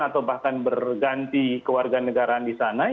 atau bahkan berganti kewarganegaraan di sana